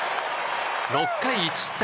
６回１失点。